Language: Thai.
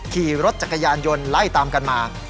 ขี่รถจักรยานยนต์ไล่ตามกันมา